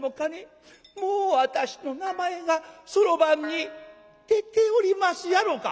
もう私の名前がそろばんに出ておりますやろか」。